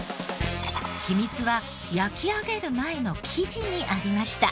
秘密は焼き上げる前の生地にありました。